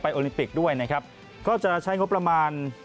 ไปโอลิปิกด้วยก็จะใช้งบประมาณ